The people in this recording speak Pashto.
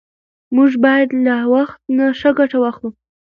موږ باید له وخت نه ښه ګټه واخلو